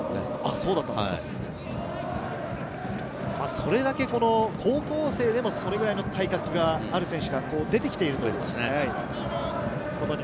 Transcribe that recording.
それだけ高校生でもそれくらいの体格がある選手が出てきているという。